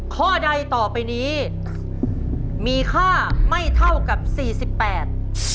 ข้อใดต่อไปนี้มีค่าไม่เท่ากับสี่สิบแปด